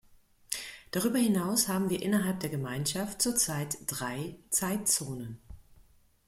Darüber hinaus haben wir innerhalb der Gemeinschaft zur Zeit drei Zeitzonen.